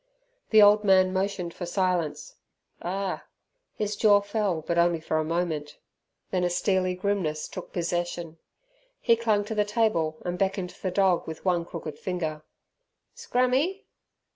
The old man motioned for silence. "Ah!" His jaw fell but only for a moment. Then a steely grimness took possession. He clung to the table and beckoned the dog with one crooked finger. "Scrammy?"